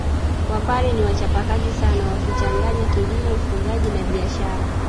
Wapare ni wachapakazi sana wakichanganya kilimo ufugaji na biashara